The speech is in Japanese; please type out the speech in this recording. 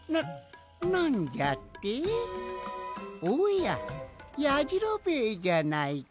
おややじろべえじゃないか。